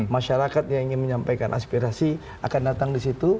masyarakat yang ingin menyampaikan aspirasi akan datang disitu